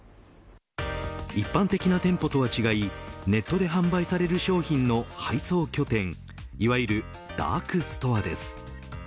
一般的な店舗とは違いネットで販売される商品の配送拠点いわゆるダークストアです。